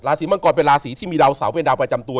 ศรีมังกรเป็นราศีที่มีดาวเสาเป็นดาวประจำตัว